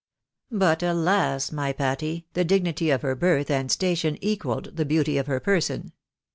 But, alas ! my Patty, the dignity of her birth and station equalled the beauty of her person.